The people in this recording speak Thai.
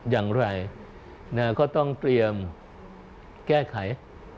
อย่างไรก็ต้องเตรียมแก้ไข